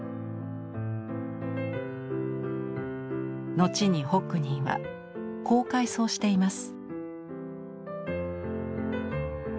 後にホックニーはこう回想しています。